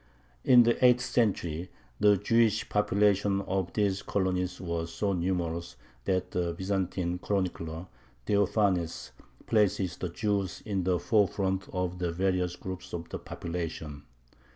In the eighth century the Jewish population of these colonies was so numerous that the Byzantine chronicler Theophanes places the Jews in the forefront of the various groups of the population.